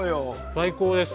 最高です。